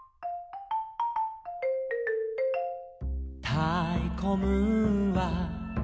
「たいこムーンは」